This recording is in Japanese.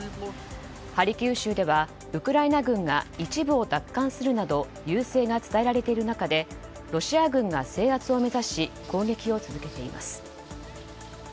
ハルキウ州ではウクライナ軍が一部を奪還するなど優勢が伝えられている中でロシア軍が制圧を目指し攻撃を続けています。